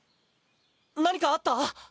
何かあった？